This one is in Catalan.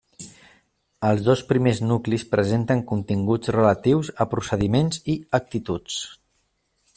Els dos primers nuclis presenten continguts relatius a procediments i actituds.